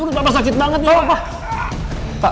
menurut papa sakit banget ya pak